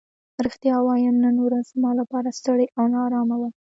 رښتیا ووایم نن ورځ زما لپاره ستړې او نا ارامه وه.